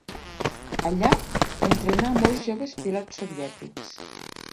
Allà, entrenà a molts joves pilots soviètics.